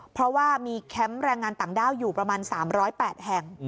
เพราะว่ามีแคมป์แรงงานต่างด้าวอยู่ประมาณ๓๐๘แห่ง